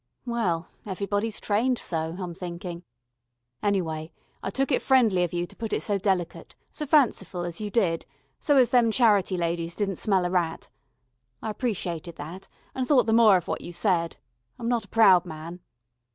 Well, everybody's trained so, I'm thinkin'. Anyway I took it friendly of you to put it so delicate, so fanciful as you did, so as them charity ladies didn't smell a rat. I appreciated that, an' thought the more of what you said. I'm not a proud man."